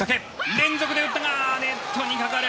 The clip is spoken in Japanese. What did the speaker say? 連続で打ったがネットにかかる！